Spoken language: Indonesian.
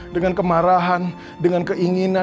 dengan kemarahan dengan keinginan